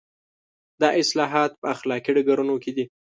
دا اصلاحات په اخلاقي ډګرونو کې دي.